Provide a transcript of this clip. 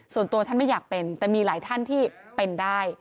ส่วนตัวท่านไม่อยากเป็นแต่มีหลายท่านที่เป็นได้